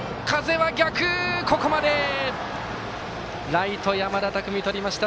ライト、山田匠とりました。